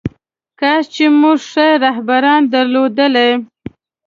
کاش چې موږ ښه رهبران درلودلی.